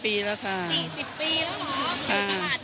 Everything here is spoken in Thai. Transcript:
๔๐ปีแล้วเหรออยู่ตลาดนี้หรือคะ